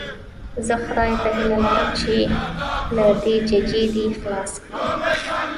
زه خدای ته هیله لرم چې له دې ججې دې خلاص کړم.